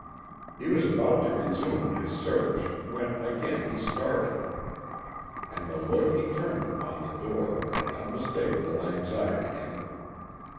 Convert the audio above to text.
He was about to resume his search when again he started; and the look he turned upon the door had unmistakable anxiety in it.